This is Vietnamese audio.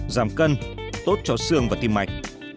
giảm cân tốt cho xương và tim mạch